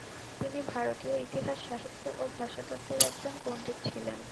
তিনি ভারতীয় ইতিহাস, সাহিত্য ও ভাষাতত্ত্বের একজন পণ্ডিত ছিলেন।